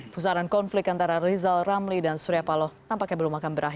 pusaran konflik antara rizal ramli dan surya paloh tampaknya belum akan berakhir